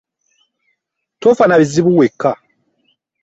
Tofa na bizibu wekka.